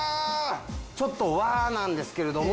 ちょっと和なんですけれども。